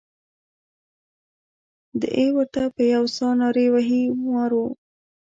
دای ورته په یوه ساه نارې وهي مارو.